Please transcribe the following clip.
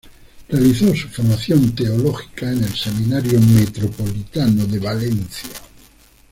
Realizó su formación teológica en el Seminario Metropolitano de Valencia.